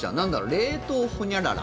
冷凍ほにゃらら。